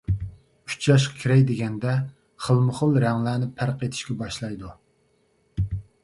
ئۈچ ياشقا كىرەي دېگەندە، خىلمۇخىل رەڭلەرنى پەرق ئېتىشكە باشلايدۇ.